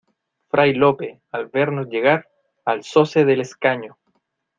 fray Lope, al vernos llegar , alzóse del escaño: